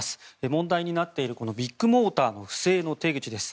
問題になっているビッグモーターの不正の手口です。